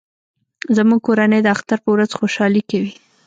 زموږ کورنۍ د اختر په ورځ خوشحالي کوي